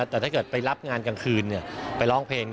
แต่ถ้าเกิดไปรับงานกลางคืนไปร้องเพลง